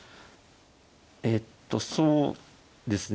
えっとそうですね。